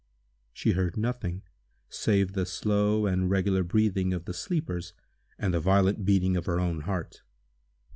She heard nothing, save the slow and regular breathing of the sleepers, and the violent beating of her own heart.